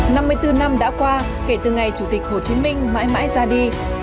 năm mươi bốn năm đã qua kể từ ngày chủ tịch hồ chí minh mãi mãi ra đi